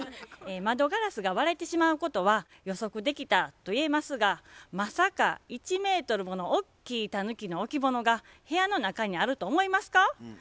窓ガラスが割れてしまうことは予測できたといえますがまさか１メートルものおっきいたぬきの置物が部屋の中にあると思いますか？